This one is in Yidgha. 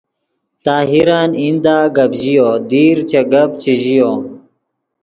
طاہرن ایندہ گپ ژیو دیر چے گپ چے ژیو